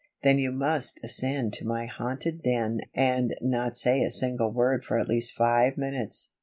Then you must ascend to my haunted den and not say a single word for at least five minutes.